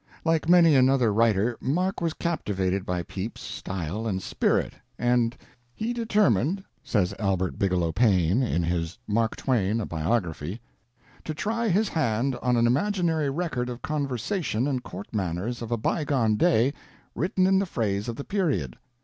Like many another writer Mark was captivated by Pepys' style and spirit, and "he determined," says Albert Bigelow Paine in his 'Mark Twain, A Biography', "to try his hand on an imaginary record of conversation and court manners of a bygone day, written in the phrase of the period.